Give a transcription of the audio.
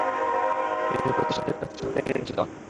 তিনি প্রতিষ্ঠানটির রাষ্ট্রপতি নির্বাচিত হন।